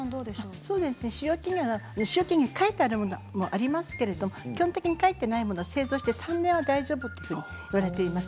使用期限は書いてあるものがありますが、基本的に書いていないものは製造して３年は大丈夫と言われています。